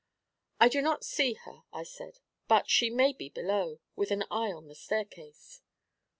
'I do not see her,' I said; 'but she may be below, with an eye on the staircase.'